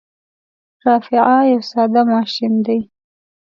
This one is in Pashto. رافعه یو ساده ماشین دی.